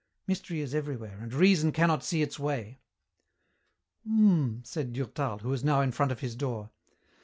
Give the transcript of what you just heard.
Mystery is everywhere and reason cannot see its way." "Mmmm," said Durtal, who was now in front of his door.